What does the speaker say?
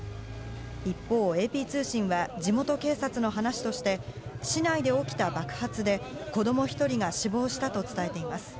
一方、ＡＰ通信は地元警察の話として市内で起きた爆発で、子供１人が死亡したと伝えています。